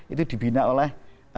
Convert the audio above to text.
itu dibina oleh